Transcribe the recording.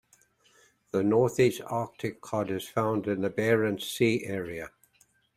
The Northeast Arctic cod is found in the Barents Sea area.